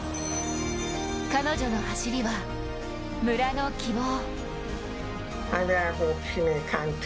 彼女の走りは村の希望。